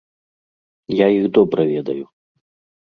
Я іх добра ведаю.